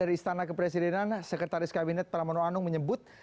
dari istana kepresidenan sekretaris kabinet pramono anung menyebut